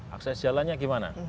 akses jalannya gimana